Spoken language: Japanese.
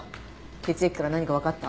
血液から何かわかった？